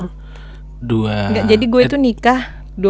enggak jadi gue itu nikah